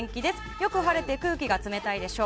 よく晴れて空気が冷たいでしょう。